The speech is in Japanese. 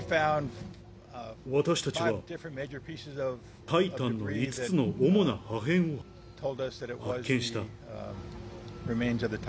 私たちは、タイタンの５つの主な破片を発見した。